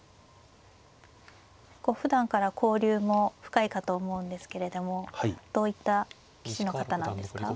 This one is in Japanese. ふだんから交流も深いかと思うんですけれどもどういった棋士の方なんですか？